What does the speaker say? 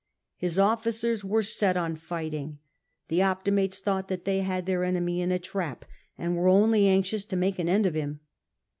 His officers were set on fighting: the Optimatos thought that they had their enemy in a trap, and were only anxious to make an end of him.